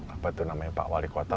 apa itu namanya pak wali kota